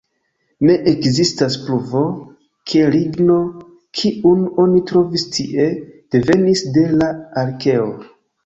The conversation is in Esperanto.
Ne ekzistas pruvo, ke ligno, kiun oni trovis tie, devenis de la arkeo.